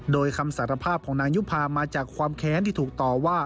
โดยคำสารภาพของนางยุภามาจากความแค้นที่ถูกต่อว่า